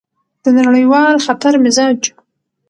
د نړیوال خطر مزاج: